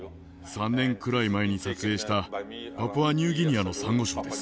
３年くらい前に撮影したパプアニューギニアのサンゴ礁です。